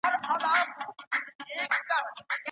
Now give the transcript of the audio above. ولي لېواله انسان د تکړه سړي په پرتله برخلیک بدلوي؟